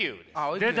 出た！